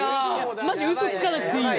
マジうそつかなくていいよ。